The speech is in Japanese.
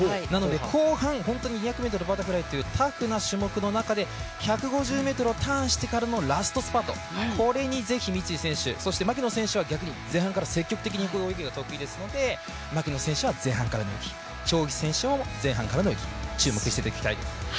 後半、２００ｍバタフライというタフな種目の中で１５０ｍをターンしてからのラストスパート、ぜひこれに三井選手、そして牧野選手は前半から積極的にいく泳ぎが得意ですので、牧野選手は前半からの泳ぎ、張選手も前半からの泳ぎに注目したいと思います。